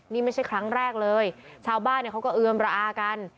นี่ไม่ใช่ครั้งแรกเลยชาวบ้านเขาก็เอือมระอากัน